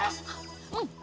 うん！